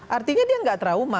artinya dia nggak trauma